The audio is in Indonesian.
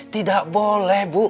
tidak boleh bu